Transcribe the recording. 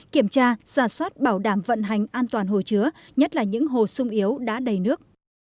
kiểm tra giả soát bảo đảm vận hành an toàn hồ chứa nhất là những hồ sung yếu đã đầy nước